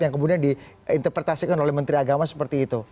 yang kemudian di interpretasikan oleh menteri agama seperti itu